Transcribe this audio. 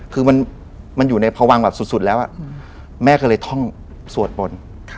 คือมันอยู่ในพวังแบบสุดแล้วแม่ก็เลยท่องสวดบน